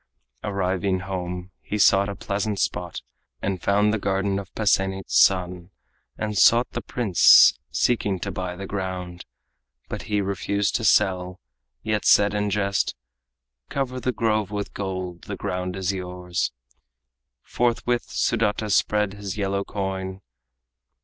Arriving home, he sought a pleasant spot, And found the garden of Pasenit's son, And sought the prince, seeking to buy the ground. But he refused to sell, yet said in jest: "Cover the grove with gold, the ground is yours." Forthwith Sudata spread his yellow coin.